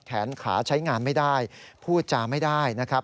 แขนขาใช้งานไม่ได้พูดจาไม่ได้นะครับ